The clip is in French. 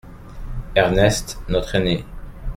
Ernest, notre aîné.